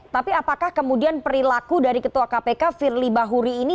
tapi apakah kemudian perilaku dari ketua kpk firly bahuri ini